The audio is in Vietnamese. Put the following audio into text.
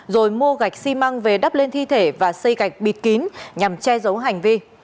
rồi mua gạch xi măng về đắp lên thi thể và xây gạch bịt kín nhằm che giấu hành vi